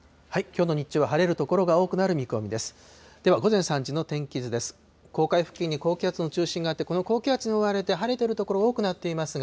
きょうの日中は晴れる所が多くなる見込みです。